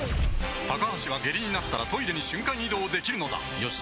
高橋は下痢になったらトイレに瞬間移動できるのだよし。